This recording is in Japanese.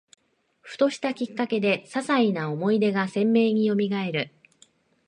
ふとしたきっかけで、ささいな思い出が鮮明によみがえる